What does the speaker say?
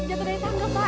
jatuh dari tangga pak